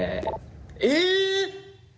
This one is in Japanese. え！